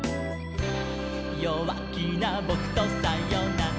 「よわきなぼくとさよなら」